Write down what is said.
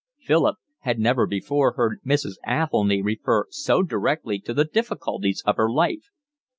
Philip had never before heard Mrs. Athelny refer so directly to the difficulties of her life.